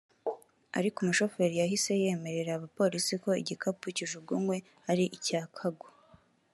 ariko umushoferi yahise yemerera abapolisi ko igikapu kijugunywe ari icya Kaggwa